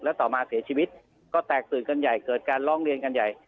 แล้วต่อมาเสียชีวิตก็แตกตื่นกันใหญ่เกิดการร้องเรียนกันใหญ่